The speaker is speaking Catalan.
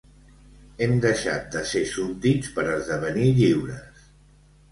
Hem deixat de ser súbdits per esdevenir lliures.